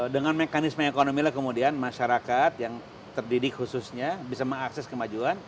dengan mekanisme ekonomi lah kemudian masyarakat yang terdidik khususnya bisa mengakses kemajuan